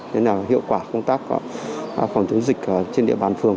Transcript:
nên là hiệu quả công tác phòng chống dịch trên địa bàn phường